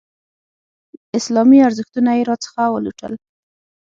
اسلامي ارزښتونه یې راڅخه ولوټل.